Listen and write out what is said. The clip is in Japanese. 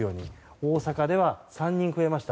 大阪では３人増えました。